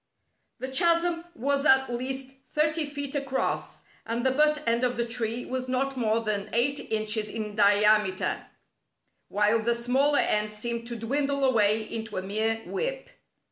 The chasm was at least thirty feet across, and the butt end of the tree was not more than eight inches in diameter, while the smaller end seemed to dwindle away into a mere whip.